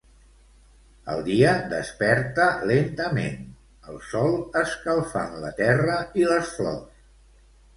El dia desperta lentament, el sol escalfant la terra i les flors.